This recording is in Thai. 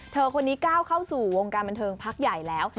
คนนี้ก้าวเข้าสู่วงการบันเทิงพักใหญ่แล้ว